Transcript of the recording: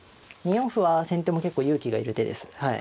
２四歩は先手も結構勇気がいる手です。